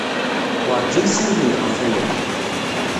Werjin ssawlen-d ɣef waya.